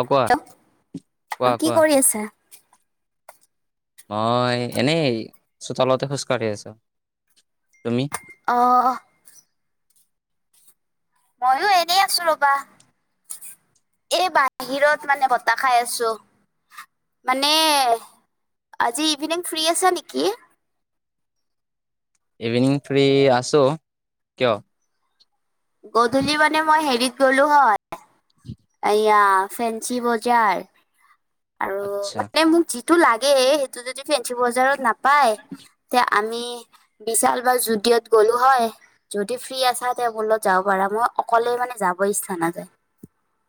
অঁ কোৱা! হেল্ল' অ কোৱা কি কোৱা। কৰি আছা? মই, এনেই, চোতালতে খোজকাঢ়ি আছোঁ, তুমি? অ'। মইও এনে আছোঁ ৰ'বা! এই বাহিৰত মানে বতাহ খাই আছোঁ। মানে, আজি ইভিনিং ফ্ৰী আছা নেকি? ইভিনিং ফ্ৰী আছোঁ, কিয়? গধূলি মানে মই হেৰিত গ'লোঁ হয়। এয়া ফেঞ্চি বজাৰ আৰু আচ্ছা মানে মোক সটো লাগে সেইটো যদি ফেঞ্চি বজাৰত নাপায় তে? আমি বিশাল বা যুদিঅ'ত গ'লোঁ হয়, যদি ফ্ৰী আছা, তে মোৰ লগত যাব পাৰা নে? অকলে মানে যাব ইচ্ছা নাযায়। [inaudible]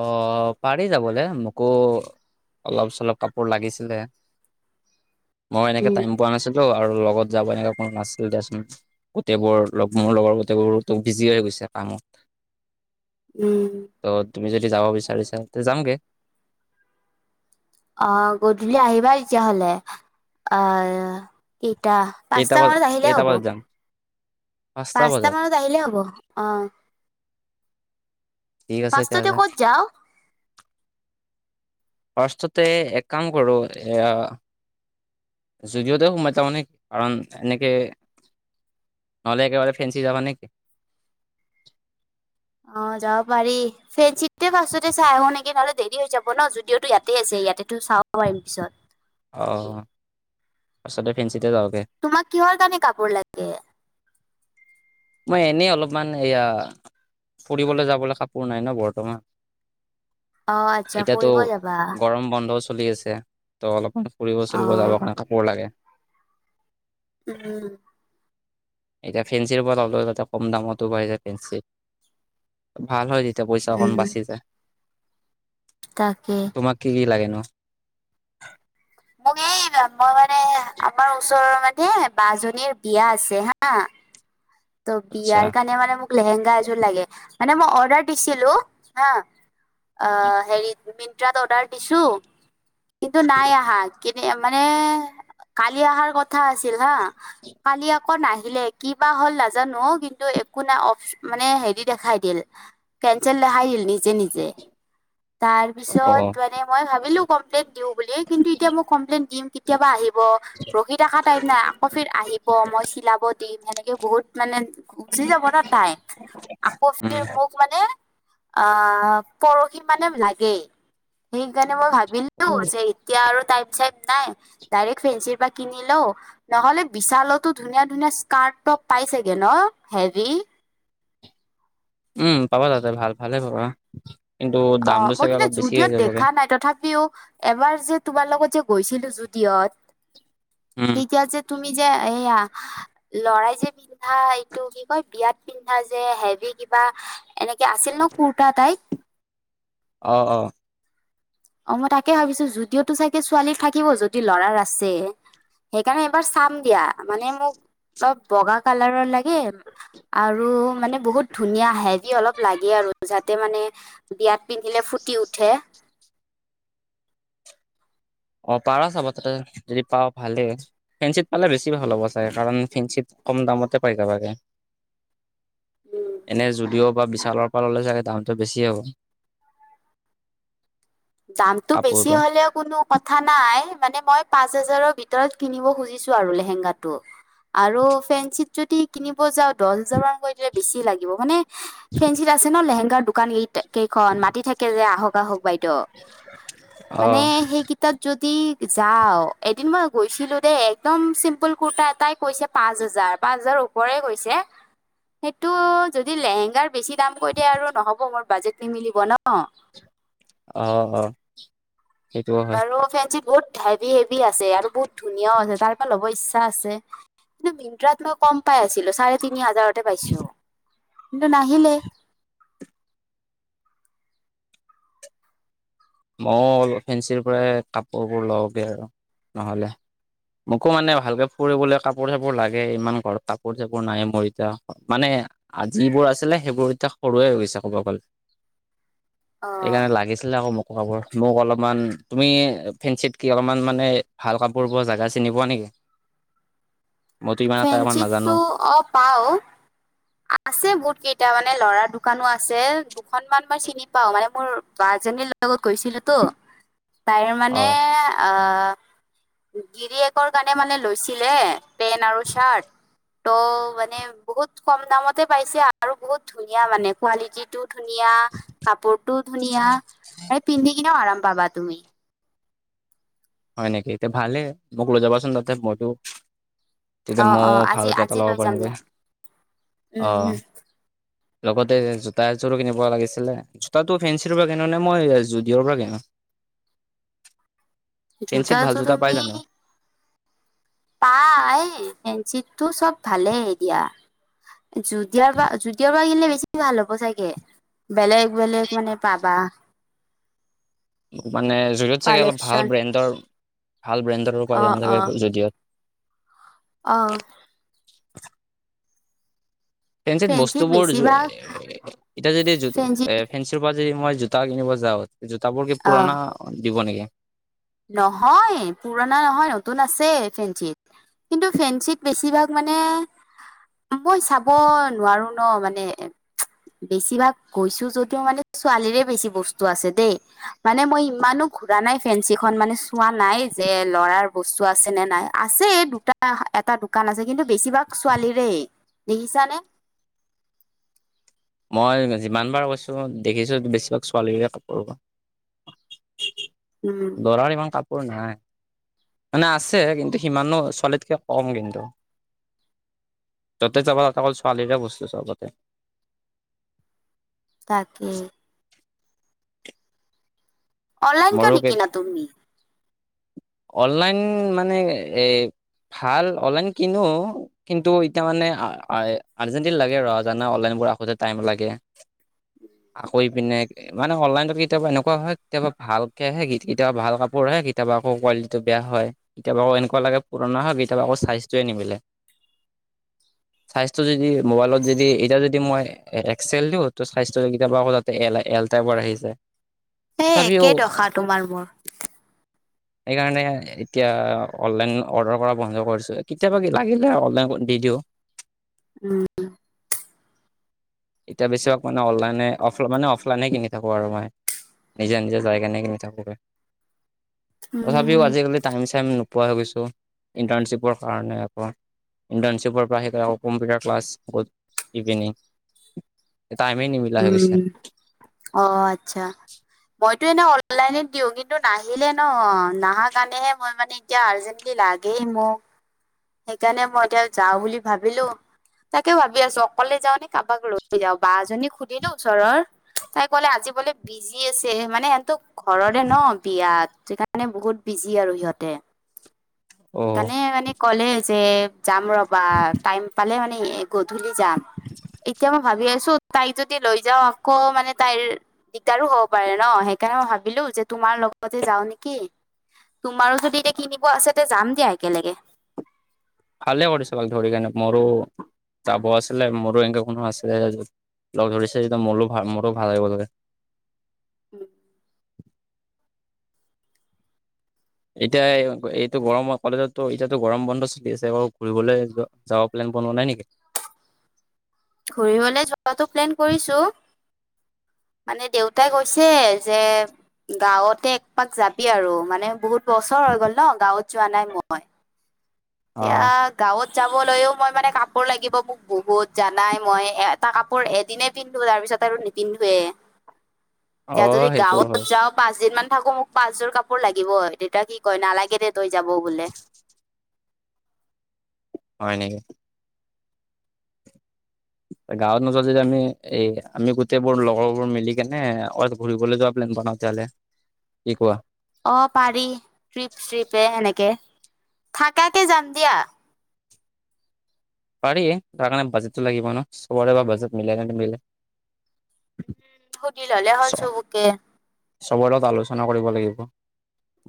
অ', পাৰি যাব দে! মোকো অলপ-চলপ কাপোৰ লাগিছিলে। মই এনেকে উম টাইম পোৱা নাছিলোঁ, আৰু লগত যাব, এনেকুৱা কোনো নাছিল দিয়াচোন! গোটেইবোৰ লগ মোৰ, লগৰ গোটেইবোৰো বিজি হৈ গৈছে কামত। [inaudible] উম। ত তুমি যদি যাব বিচাৰিছা, তে যাওঁগৈ। অ', গধূলি আহিবা তেতিয়াহ'লে! অ। কেইটা? কেইটা পাঁচটা বজাত মানত আহিলে কেইটা হ'ব। বজাত যাম পাঁচটা মানত আহিলে হ'ব! অ। ঠিক আছে পাঁচটাতে তেতিয়াহ'লে ক'ত যাওঁ? ফাৰ্ষ্টতে এক কাম কৰোঁ, এঁ। যুদিঅ'তে সোমাই যাম নেকি? কাৰণ, এনেকে। নহ'লে একেবাৰে ফেন্সি যাবা নেকি? অ', যাব পাৰি। ফ্ৰেঞ্চিতে ফাৰ্ষ্টতে চাই আহোঁ নেকি? নহ'লে দেৰি হৈ যাব ন যুদিঅ'টো ইয়াতে আছে। ইয়াতেতো চাব পাৰিম, পিছত। অ', তাৰ পাছতে ফেঞ্চিতে যাওঁ। তোমাক কিহৰ কাৰণে কাপোৰ লাগে? মই, এনেই অলপমান! এয়া ফুৰিবলৈ যাবলৈ কাপোৰ নাই ন বৰ্তমান। অ আচ্ছা এতিয়াতো, ফুৰিব যাবা গৰম বন্ধ। চলি আছে। ত', অলপমান অ ফুৰিব-চুৰিব যাব কাৰণে কাপোৰ লাগে! উম। এতিয়া ফেঞ্চিৰ ওপৰত অন্তত কম দামতো পায় যে ফেঞ্চি, ভাল হয়। তেতিয়া পইচাখন উম বাচি যায়। তাকে তোমাক কি কি লাগে নো? মোক এই মই মানে আমাৰ ওচৰৰ মানে বা এজনীৰ বিয়া আছে হা ত' আচ্ছা, বিয়াৰ কাৰণে মানে মোক লেহেংগা এযোৰ লাগে, মানে মই অৰ্ডাৰ দিছিলোঁ, হা অ', হেৰিত মিনট্ৰাত অৰ্ডাৰ দিছোঁ, কিন্তু নাই আহা। কেনে? মানে! কালি অহাৰ কথা আছিল, হা, কালি আকৌ নাহিলেই, কি বা হ'ল লাগ নাজানোঁ! কিন্তু একো নাই, অঁ! মানে হেৰি দেখাই দিলে, কেঞ্চেল দেখাই দিল নিজে নিজে। তাৰ পিছত, অ', মানে মই ভাবিলোঁ কমপ্লেইন দিওঁ বুলি কিন্তু এতিয়া মই কমপ্লেইন দিম, কেতিয়াবা আহি ৰখি থাকিব, ৰখি থকা টাইম নাই, আকৌ ফিৰ আহিব, মই চিলাব দিম এনেকে বহুত মানে গুচি যাব ন' টাইম, আকৌ উম। মোক মানে অ', পৰহি মানে লাগেই, সেইকাৰণে মই ভাবি বিলো যে এতিয়া আৰু টাইপ-চাইপ নাই, ডাইৰেক্ট ফেঞ্চিৰ পৰা কিনি লওঁ, নহ'লে বিশালতো ধুনীয়া ধুনীয়া স্কাৰ্ট-ট'প পাই চাগে ন হেভি? উম, পাবা তাতে ভাল ভালে পাবা। কিন্তু অ' দামটো মই চাগে কিন্তু অলপ বেছি হৈ জুদিঅ'ত যাবগে। দেখা নাই, তথাপিও এবাৰ যে তোমাৰ লগত যে গৈছিলোঁ জুদিঅ'ত উম, তেতিয়া যে তুমি যে এইয়া ল'ৰাই যে পিন্ধা, এইটো কি কয়, বিয়াত পিন্ধা যে হেভি কি কিবা এনেকে আছিল ন' কুৰটা টাইপ। অ' অ'। অ' মই তাকে ভাবিছোঁ, জুদিঅ'টোত চাগে ছোৱালীৰ থাকিব, যদি ল'ৰাৰ আছে। সেইকাৰণে এবাৰ চাম দিয়া মানে মোক অলপ বগা কালাৰৰ লাগে আৰু মানে বহুত ধুনীয়া হেভি অলপ লাগে আৰু আৰু যাতে মানে বিয়াত পিন্ধিলে ফুটি উঠে। অ' পাৰা চাব তাতে যদি পাওঁ ভালে, ফেঞ্চিত পালে বেছি ভাল হ'ব চাগে, কাৰণ ফেঞ্চিত কম দামতে পাই যাবাগে, উম এনে জুদিঅ' বিশালৰ পৰা ল'লে চাগে দামটো বেছি হ'ব। দামটো বেছি কাপোৰটো হ'লেও কোনো কথা নাই, মানে মই পাঁচ হাজাৰৰ ভিতৰত কিনিব খুজিছোঁ আৰু লেহেংগাটো। আৰু ফেঞ্চিত যদি কিনিব যাওঁ, দহ হাজাৰ মান কৈ দিলে বেছি লাগিব, মানে ফেঞ্চিত আছে ন লেহেংগাৰ দোকান কে কেইখন মাতি থাকে যে আহক, আহক বাইদেউ। অ মানে সেইকেইটাত য'ত ঠিক যাওঁ, এদিন মই গৈছিলোঁ দেই, একদম চিম্পুল কুৰটা এটাই কৈছে পাঁচ হাজাৰ পাঁচ হাজাৰ ওপৰে কৈছে, সেইটো যদি লেহেংগাৰ বেছি দাম কৈ দিয়ে আৰু নহ'ব। মোৰ বাজেট নিমিলিব ন। অ' হ। বাৰু ফেঞ্চি বহুত হেভি হেভি আছে আৰু বহুত ধুনীয়াও আছে, তাৰ পৰা ল'ব ইচ্ছা আছে, কিন্ত মিনট্ৰাত মই কম পাই আছিলো, চাৰে তিনি হাজাৰতে পাইছো। কিন্তু নাহিলে। ময়ো অলপ ফেঞ্চিৰ পৰাই কাপোৰবোৰ লওঁগৈ আৰু নহ'লে। মোকো মানে ভালকে ফুৰিবলৈ কাপোৰ-চাপোৰ লাগে, ইমান ঘৰত কাপোৰ-চাপোৰ নাই মোৰ এতিয়া, মানে আৰু যিবোৰ আছিলে সেইবোৰ এতিয়া সৰুৱে হৈ গৈছে ক'ব গ'লে। অ সেইকাৰণে লাগিছিলে আকৌ মোক। কাপোৰ মোক অলপমান, তুমি ফেঞ্চিত কি অলপমান মানে ভাল কাপোৰ পোৱা জাগা চিনি পোৱা নেকি? [inaudible] এটা ইমান নাজানো ফেঞ্চিততো অ', পাওঁ, আছে বহুত কেইটা মানে ল'ৰা দোকানো আছে, দুখন মান মই চিনি পাওঁ। মানে মোৰ বা'জনীৰ লগত গৈছিলো তো। তাইৰ অ মানে অ', অ', গিৰিয়েকৰ কাৰণে মানে লৈছিলে পেণ্ট আৰু চাৰ্ট। ত' মানে বহুত কম দামতে পাইছে আৰু বহুত ধুনীয়া মানে কোৱালিটিটো। ধুনীয়া, কাপোৰটোও ধুনীয়া আৰু পিন্ধি কিনেও আৰাম পাবা তুমি। হয় নেকি? তে ভালে মোক লৈ যাবাচোন, মইতো তেতিয়া অ মই অ আজি ভালকে এটা আজি ল'ব লৈ যাম পাৰিমগৈ। দিয়া উম অ' উম লগতে জোতা এযোৰো কিনিব লাগিছিলে, জোতাটো ফেঞ্চিৰ পৰা কিনো নে মই জুদিঅ'ৰ পৰা কিনো? ফেঞ্চিত ভাল জোতাটো জোতা পাই জানো? পায়, ফেঞ্চিতটো সব ভালেই দিয়া। জুদিঅ'ৰ পৰা জুদিঅ'ৰ পৰা কিনিলে বেছি ভাল হ'ব চাগে। বেলেগ বেলেগ মানে পাবা। মানে যুদিওত চাগে অলপ ভাল কালেকচন ব্ৰেণ্ডৰ ভাল ব্ৰেণ্ডৰ উপ [unintelligible] যদিয়ত অহ। [inaudible] ফেঞ্চিত বস্তুবোৰ এতিয়া যদি এতিয়া ফেঞ্চিত ফেঞ্চৰ পৰা যদি মই জোতা কিনিব যাও জোতা বোৰ কি আহ পুৰণা দিব নেকি? নহয় পুৰণা নহয় নতুন আছে ফেঞ্চিত কিন্তু ফেঞ্চিত বেছিভাগ মানে মানে মই চাব নোৱাৰো ন মানে বেছিভাগ কৈছো যদিও মানে ছোৱালীৰে বেছি বস্তু আছে দেই মানে মই ইমানো ঘূৰা নাই ফেঞ্চি। এখন মানে চোৱা নাই যে লৰাৰ বস্তু আছে নে নাই আছে দুটা এটা দোকান আছে কিন্তু বেছিভাগ ছোৱালীৰে দেখিছানে। মই যিমানবাৰ কৈছো দেখিছো বেছিভাগ ছোৱালীৰে কাপোৰ উম দলাৰি বা কাপ ক নাই মানে আছে কিন্তু সিমানো ছোৱালীতকে কম কিন্তু ততে যাবা তাাত অকল ছোৱালীৰে বস্তো চ ততে তাকে অনলাইন কাৰ মোৰো নে কিনা কেত- তুমি? অনলাইন মানে এ ভাল অনলাইন কিনো কিন্তু এতিয়া মানে আৰ্জেণ্টিন লাগে ৰ জানা অনলাইন আোতে টাইম লাগে আক পিনে মানে অনলাইনত কেতিয়াবা এনেকুৱা হয় কেতিয়াবা ভালকে আহে কেতিয়াবা ভাল কাপোৰ আহে কেতিয়াবা। আকৌ কোৱালিটিটো বেয়া হয় কেতিয়াবা আকৌ এনেকুৱা লাগে পুৰণা হয়ওক কেতিয়াবা আকৌ ছাইজটোৱে নিবিলে। [inaudible] স্বজটো যদি মোবাইলত যদি এতিয়া যদি মই এক্সেল দিও ত সজদি কতিয়া আকৌ যাতে এল এল টাইপৰ আহি যায়। হে তথাপিও একেডখা তোমাৰ মোৰ সেইকাৰণে এতিয়া অনলাইন অৰ্ডাৰ কৰা বন্ধ কৰিছো কেতিয়াবা লাগিলে অনলাইন দি দিও। [inaudible] উম, এতিয়া বেছিভাগ মানে অনলাইনে মানে অফলাইনে কিনি থাকো আৰু মই নিজা নিজা জায়গা ন কিনি থাকো তথাপিও উম আজিকালি টাইম চাইম নোপোৱা হৈ গৈছো ইণ্টাৰ্ণশ্বিপৰ কাৰণে আকৌ ইণ্টাৰ্ণশ্বিপৰ পৰা শেই আকৌ কম্পিউটাৰ ক্লাছ গ'ত ইভিনিং টাইমে নিমিলা হৈ উম, গৈছে অ, আচ্ছা মই টো এনে অনলাইনত দিও কিন্তু নাহিলে ন নাহা কাৰণেহে মই মানে এতিয়া আৰ্জেন্টলি লাগে। মোক সেইকাৰণে মই এতিয়া যাও বুলি ভাবিলো। তাকে ভাবি আছো অকলে যাও নে কাৰোবাক লৈ যাও বা এজনী সুধিলো ওচৰৰ তাই কলে আজি বোলে বিজি আছে মেনো ঘৰৰে ন বিয়াত সেইকাৰণে বহুত বিজি আৰু সিহতে। অ তানে মানে ক'লে যে যাম ৰবা টাইম পালে মানে। গধূলি যাম। এতিয়া মই ভাবি আছো তাইক যদি লৈ যাও আকৌ মানে তাইৰ দিগদাৰো হব পাৰে ন সেইকাৰণে মই ভাবিলো যে তোমাৰ লগতে যাও নেকি? [inaudible] তোমাৰো যদি এতিয়া কিনিব আছে এ যাম দিয়া একেলগে ভালে কৰিছ লগ ধৰি কেনে মৰো যাব আছিলে মোৰো এনেকে কোনো আছিলে লগ ধৰিছে মোৰো মোৰো ভাল লাগিব ত [inaudible] উম, এতিয়া এইটো গৰমৰ কলেজতো এতিয়াতো গৰম বন্ধ চলি আছে বৌ ঘুৰিবলৈ যাব প ন বন নাই নেকি? ঘুৰিবলৈ যোৱাতটো প্লেন কৰিছো। [inaudible] মানে দেউতাই কৈছে যে গাৱতে একমাক যাবি আৰু মানে বহুত বছৰ হৈ গ'ল ন গাঁৱত যোৱা নাই মই। অ', তেওঁ গাঁৱত যাবলৈও মই মানে কাপোৰ লাগিব মোক বহুত জানাই মই এটা কাপোৰ এদিনে পিন্ধো তাৰ পিছত আৰু নিপিন্ধোৱে এতিয়া অ', যদি সেইটো গাঁৱত হয়, যাওঁ পাঁচ দিন মান থাকো মোক পাচযোৰ কাপোৰ লাগিব তেতিয়া কি কয় নালাগে দে তই যাব বোলে। তেনেকে গাঁৱত নোজোৱা যদি আমি এ আমি গোটেই বোৰ লগৰবোৰ মিলি কেনে অ ঘুৰিবলৈ যোৱা প্লে কি কোৱা অ পাৰি ট্ৰিপ চ্ৰিপে সেনেকে থাকাকে যাম দিয়া। পাৰি তাৰ কাৰণে বাজেটটো লাগিব ন চবৰে বা বাজেট মিলে নে নিমিলে। সুধি ললেই হল চবকে চবৰে লগত আলোচনা কৰিব লাগিব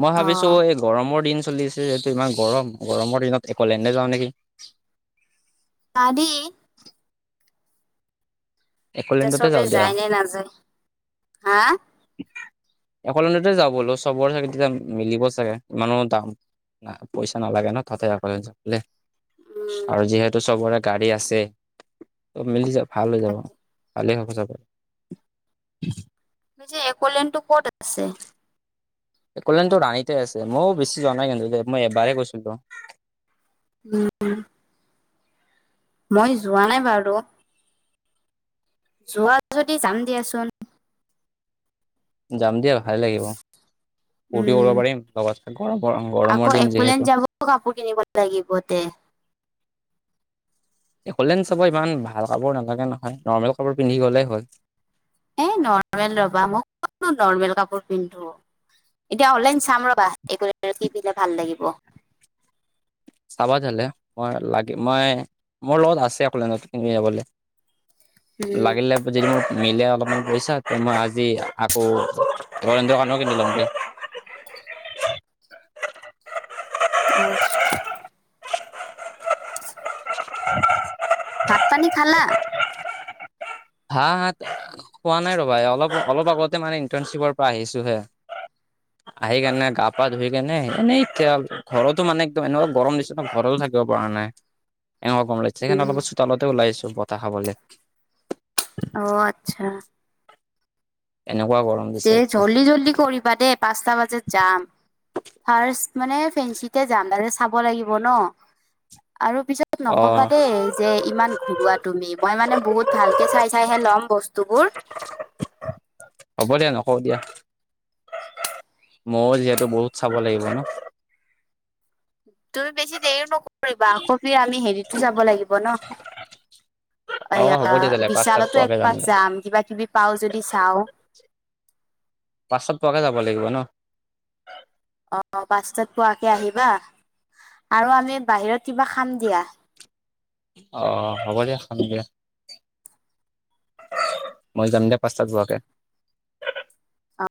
মই অ ভাবিছো এই গৰমৰ দিন চলি আছে এইটো ইমান গৰম গৰমৰ দিনত একলেণ্ডে যাওঁ নেকি। পাৰি এতিয়া একলেণ্ডতে যাওঁ চবেই দিয়া যায়নে নাযায় হা। একলেণ্ডতে যাবলৈ চবৰে চাগে তেতিয়া মিলিব চাগে ইমানৰ দাম ন পইচা ন লাগে ন ততে একেলগে থাকিলে। উম আৰু যিহেতু চবৰে গাড়ী আছে মিলি যাব ভাল হৈ যাব। তাকে ভালেই হব যাব এই যে একলেণ্ড টো ক'ত আছে? একলেণ্ড তো ৰাণীতে আছে মইয়ো বেছি যোৱা নাই কিন্তু মই এবাৰে গৈছিলোঁ। উম মই যোৱাই বাৰু। যোৱা যদি যাম দিয়াচোন। যাম দিয়া ভালেই লাগিব। ফূৰ্তি উম কৰিব পাৰিম গৰমৰ আকৌ গৰমৰ দিন একলেণ্ড যিহেতু। যাব কাপোৰ কিনিব লাগিব দে [unintelligible] হ'লেন চাব ইমান ভাল কাপোৰ নালাগে নহয় নৰ্মেল কাপোৰ পিন্ধি গ'লেই হ'ল। এ নৰ্মেল ৰবা মই কত নো নৰ্মেল কাপোৰ পিন্ধো। এতিয়া অনলাইন চাম ৰবা এই কি পিন্ধিলে ভাল লাগিব। [unintelligible] চাবা তেন্তে মই লাগি মই মোৰ লগত আছে অকলে ন কি যাবলৈ। উম, লাগিলে যদি মিলে অলপমান পইচা মই আজি আকৌ ৰন্দ্ৰ কাৰণেও কিনি লম [unintelligible] অঁ [unintelligible] ভাত পানী খালা? হা হা কোৱা নাই ৰবা অলপ অলপ আগতে মানে ইণ্টাৰ্ণশ্বিপৰ পৰা আহিছো হে। আহি কেনে গা পা ধুই কেনে এনে খ ঘৰতো মানে একদম এনেকুৱা গৰম নিচিনা ঘৰত থাকিব পৰা নাই এ গম লাগিছে সেইকাৰণে উম, অলপ চোতালতে ওলাই আছো বতাহ খাবলৈ। অ', আচ্ছা। এনেকুৱা গৰম দে দিছে এতিয়া। জল্দি জল্দি কৰিবা দেই পাঁচটা বাজাত যাম, ফাৰ্ষ্ট মানে ফেঞ্চিতে জানদা যে চাব লাগিব ন? আৰু পিছত অ নকবা দেই যে ইমান ঘূৰুোৱা তুমি। মই মানে বহুত ভালকে চাই চাইহে ল'ম বস্তুবোৰ। হ'ব দে নকওঁ দিয়া। মই যিহেতু বহুত চাব লাগিব ন- তুমি বেছি দেৰি নকৰিবা, আকৌ আমি হেৰিতো যাব লাগিব ন। অ হ'ব অয়া দিয়া তেতিয়াহ'লে পাঁচটাত বিশালতো পোৱাকে একপাক যাম কিবা কিবি পাও যদি। বিছাও। পাঁচত পোৱাকে যাব লাগিব ন। অ পাঁছতাত পোৱাকে আহিবা আৰু আমি বাহিৰত কিবা খাম দিয়া। অহ হ'ব দিয়া খাম দিয়া। মই যাম দে পাঁচটাত পোৱাকে।